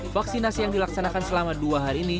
vaksinasi yang dilaksanakan selama dua hari ini